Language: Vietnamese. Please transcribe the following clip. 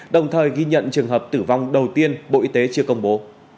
đồng thời ghi nhận trường hợp tử vong đầu tiên bộ y tế chưa công bố